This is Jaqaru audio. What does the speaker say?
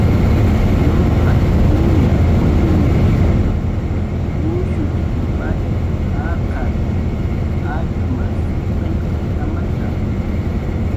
Lluqallkuna, wallmichkun kushukkipatx jaqarn atxmas qillqt'amata.